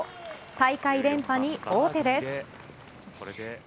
大会連覇に王手です。